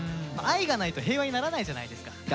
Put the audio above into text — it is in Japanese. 愛がないと平和にならないじゃないですか。